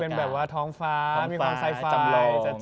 หนูเป็นแบบว่าท้องฟ้ามีความไซฟ้าจำลอง